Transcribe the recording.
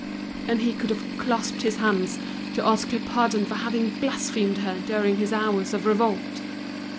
And he could have clasped his hands to ask her pardon for having blasphemed her during his hours of revolt.